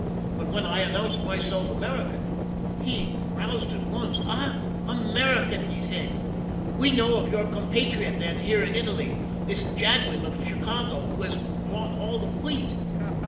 But when I announced myself American, he roused at once. "'Ah, American,' he said. 'We know of your compatriot, then, here in Italy this Jadwin of Chicago, who has bought all the wheat.